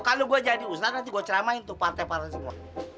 kalau gue jadi ustadz nanti gue ceramain tuh partai partai semua